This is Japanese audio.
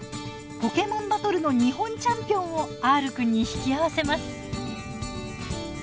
ポケモンバトルの日本チャンピオンをＲくんに引き合わせます。